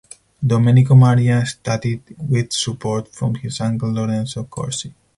Domenico Maria studied with support from his uncle Lorenzo Corsi.